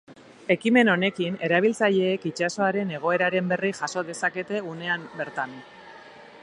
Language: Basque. Ekimen honekin, erabiltzaileek itsasoaren egoeraren berri jaso dezakete unean bertan.